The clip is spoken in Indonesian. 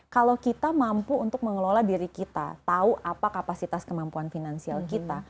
kalau kita mampu untuk mengelola diri kita tahu apa kapasitas kemampuan finansial kita